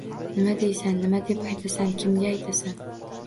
Nima deysan, nima deb aytasan, kimga aytasan.